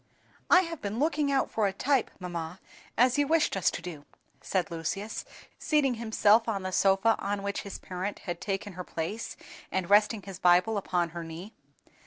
"I HAVE been looking out for a type, mamma, as you wished us to do," said Lucius, seating himself on the sofa on which his parent had taken her place, and resting his Bible upon her knee.